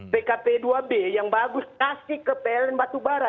pkp dua b yang bagus kasih ke pln batubara